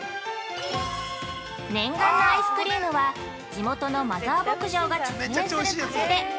◆念願のアイスクリームは地元のマザー牧場が直営するカフェで。